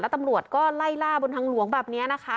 ตำรวจก็ไล่ล่าบนทางหลวงแบบนี้นะคะ